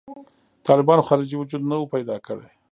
طالبانو خارجي وجود نه و پیدا کړی.